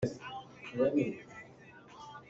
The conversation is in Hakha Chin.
A tak a rim tuk hnu lawngah aa kholh.